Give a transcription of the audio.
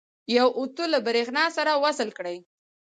یو اوتو له برېښنا سره وصل کړئ.